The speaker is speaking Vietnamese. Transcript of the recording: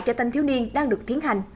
cho thanh thiếu niên đang được thiến hành